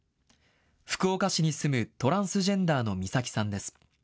福岡市に住む、トランスジェンダーのみさきさんです。